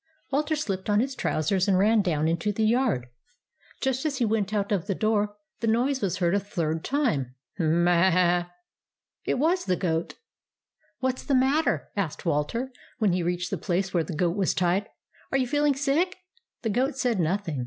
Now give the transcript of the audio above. Walter slipped on his trousers, and ran down into the yard. Just as he went out of the door, the noise was heard a third time —" M m a a a I " It was the goat. "What's the matter?" asked Walter, when he reached the place where the goat was tied. " Are you feeling sick ?" The goat said nothing.